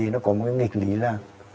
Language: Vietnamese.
nó có một nghịch lý là